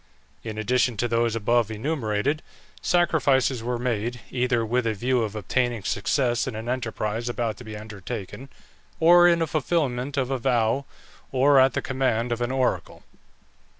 In addition to those above enumerated, sacrifices were made, either with a view of obtaining success in an enterprise about to be undertaken, or in fulfilment of a vow, or at the command of an oracle.